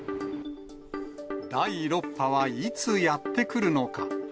第６波はいつやって来るのか。